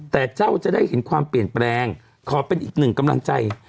แต่เจ้าจะได้เห็นความเปลี่ยนแปลงขอเป็นอีกหนึ่งกำลังใจ